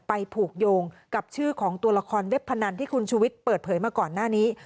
ผูกโยงกับชื่อของตัวละครเว็บพนันที่คุณชุวิตเปิดเผยมาก่อนหน้านี้